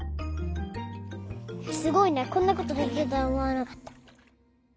すごいねこんなことできるとはおもわなかった。